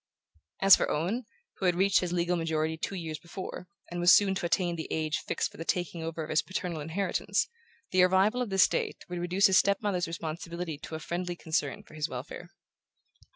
As for Owen, who had reached his legal majority two years before, and was soon to attain the age fixed for the taking over of his paternal inheritance, the arrival of this date would reduce his step mother's responsibility to a friendly concern for his welfare.